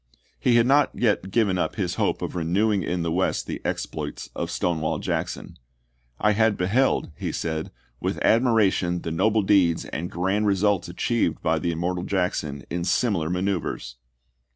He had not yet given up his hope of renewing in the West the exploits of Stonewall Jackson. "I had beheld," he said, "with admiration the noble deeds and grand re sults achieved by the immortal Jackson in similar manoeuvres."